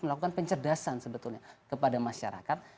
melakukan pencerdasan sebetulnya kepada masyarakat